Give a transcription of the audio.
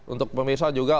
untuk pemirsa juga